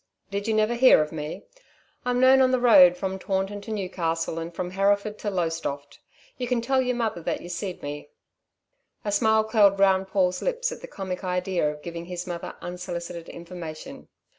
"Did you never hear of me? I'm known on the road from Taunton to Newcastle and from Hereford to Lowestoft. You can tell yer mother that you seed me." A smile curled round Paul's lips at the comic idea of giving his mother unsolicited information.